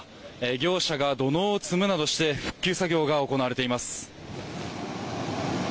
業者が土のうを積むなどして復旧作業が行われています。